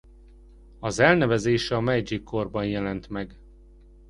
Az elnevezés a Meidzsi-korban jelent meg.